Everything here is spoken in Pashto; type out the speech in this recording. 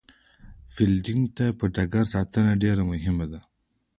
فیلډینګ یا ډګر ساتنه ډېره مهمه ده.